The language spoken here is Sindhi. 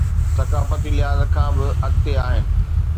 ثقافتي لحاظ کان به اڳتي آهن.